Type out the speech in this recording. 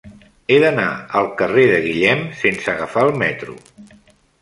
He d'anar al carrer de Guillem sense agafar el metro.